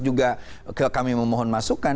juga kami memohon masukan